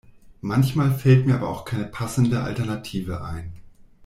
Manchmal fällt mir aber auch keine passende Alternative ein.